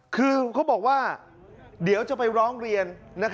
คือเขาบอกว่าเดี๋ยวจะไปร้องเรียน